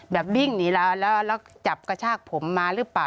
วิ่งหนีแล้วแล้วจับกระชากผมมาหรือเปล่า